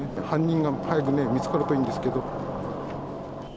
犯人が早く見つかるといいんですけど。